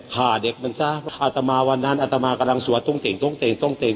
ฆ่าเด็กมันซะอัตมาวันนั้นอัตมากำลังสวดตรงเต่งตรงเต่งตรงเต่ง